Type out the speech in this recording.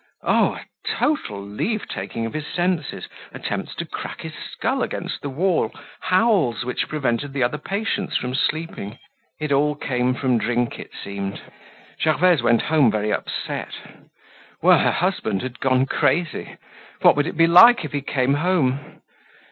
Oh! a total leave taking of his senses; attempts to crack his skull against the wall; howls which prevented the other patients from sleeping. It all came from drink, it seemed. Gervaise went home very upset. Well, her husband had gone crazy. What would it be like if he came home?